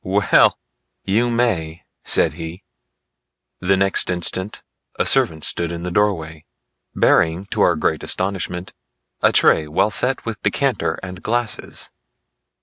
"Well, you may," said he. The next instant a servant stood in the doorway, bearing to our great astonishment, a tray well set with decanter and glasses.